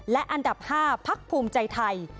และอันดับ๕พักภูมิใจไทย